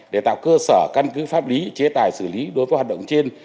để tạo cơ sở căn cứ pháp lý chế tài xử lý đối với hoạt động trên